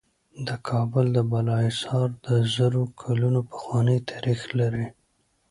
د کابل د بالا حصار د زرو کلونو پخوانی تاریخ لري